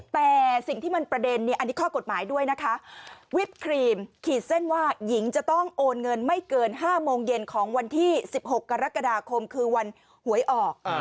แต่สิ่งที่มันประเด็นเนี่ยอันนี้ข้อกฎหมายด้วยนะคะวิปครีมขีดเส้นว่าหญิงจะต้องโอนเงินไม่เกิน๕โมงเย็นของวันที่๑๖กรกฎาคมคือวันหวยออก